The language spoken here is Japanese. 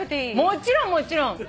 もちろんもちろん！